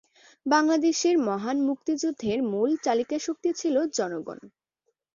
বাংলাদেশের মহান মুক্তিযুদ্ধের মূল চালিকাশক্তি ছিল জনগণ।